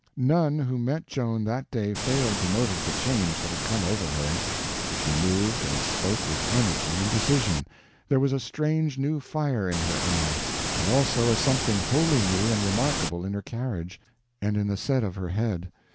None who met Joan that day failed to notice the change that had come over her. She moved and spoke with energy and decision; there was a strange new fire in her eye, and also a something wholly new and remarkable in her carriage and in the set of her head.